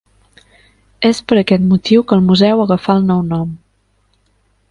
És per aquest motiu que el museu agafà el nou nom.